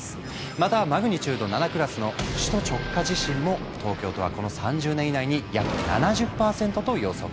またマグニチュード７クラスの首都直下地震も東京都はこの３０年以内に約７０％と予測。